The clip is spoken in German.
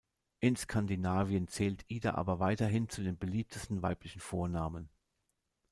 In Skandinavien zählt Ida aber weiterhin zu den beliebtesten weiblichen Vornamen.